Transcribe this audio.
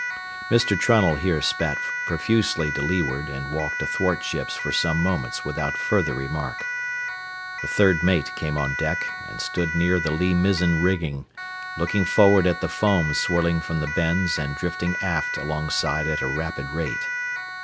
Mr. Trunnell here spat profusely to leeward and walked athwartships for some moments without further remark. The third mate came on deck and stood near the lee mizzen rigging, looking forward at the foam swirling from the bends and drifting aft alongside at a rapid rate.